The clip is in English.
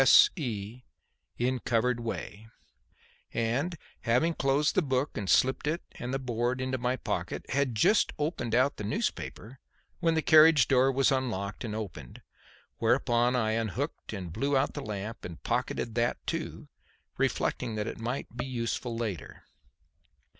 S.E. In covered way"), and having closed the book and slipped it and the board into my pocket, had just opened out the newspaper when the carriage door was unlocked and opened, whereupon I unhooked and blew out the lamp and pocketed that too, reflecting that it might be useful later.